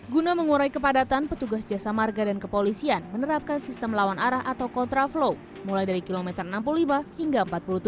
guna mengurai kepadatan petugas jasa marga dan kepolisian menerapkan sistem lawan arah atau kontraflow mulai dari kilometer enam puluh lima hingga empat puluh tujuh